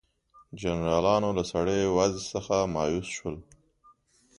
جنرالانو له سړې وضع څخه مایوس شول.